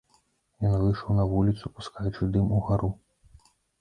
Ён выйшаў на вуліцу, пускаючы дым угару.